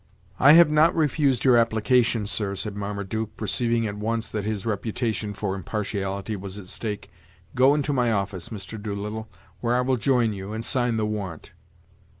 "I have not refused your application, sir," said Marmaduke, perceiving at once that his reputation for impartiality was at stake; "go into my office, Mr. Doolittle, where I will join you, and sign the warrant."